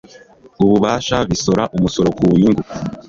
ububasha bisora umusoro ku nyungu